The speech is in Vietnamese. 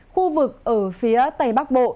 khu vực ở phía tây bắc bộ